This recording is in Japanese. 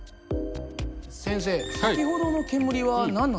先生先ほどの煙は何なんですか？